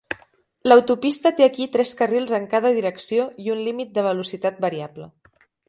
L'autopista té aquí tres carrils en cada direcció i un límit de velocitat variable.